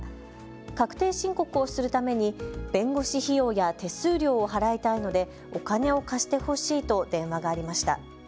確定申告をするために弁護士費用や手数料を払いたいのでお金を貸してほしいと電話がありました。